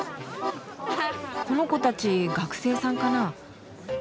この子たち学生さんかな。